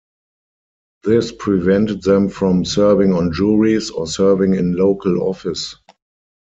This prevented them from serving on juries or serving in local office.